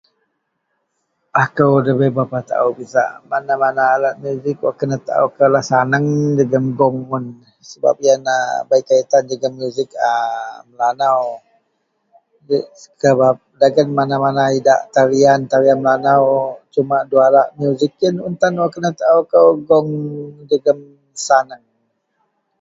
Akou nda berapa taau pisak mana-mana alat muzik wak kenataou . Wak kenataou koulah saneng jegem gong un. Sebab yenlah bei kaitan jegem muzik a Melanau sebab dagen Melanau idak tarian-tarian Melanau. Sumak duwa alak muzik un tan kenataou kou gong jegem saneng.